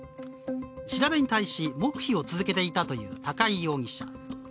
調べに対し、黙秘を続けていたという高井容疑者。